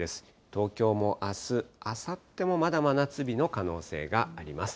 東京もあす、あさってもまだ真夏日の可能性があります。